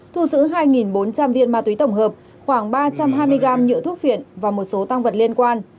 thu giữ hai bốn trăm linh viên ma túy tổng hợp khoảng ba trăm hai mươi gam nhựa thuốc phiện và một số tăng vật liên quan